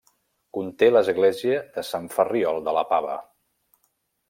Conté l'església de Sant Ferriol de la Pava.